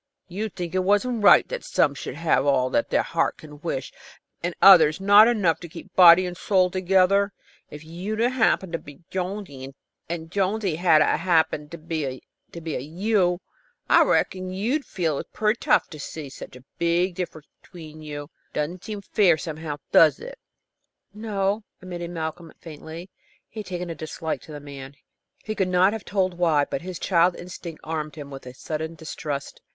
You'd think it wasn't right that some should have all that heart can wish, and others not enough to keep soul and body together. If you'd a happened to be Jonesy, and Jonesy had a happened to 'a' been you, I reckon you'd feel it was pretty tough to see such a big difference between you. It doesn't seem fair now, does it?" "No," admitted Malcolm, faintly. He had taken a dislike to the man. He could not have told why, but his child instinct armed him with a sudden distrust.